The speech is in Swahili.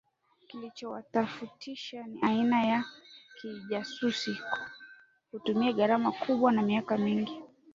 Kilichowatofautisha ni aina ya kazijasusi hutumia gharama kubwa na miaka mingi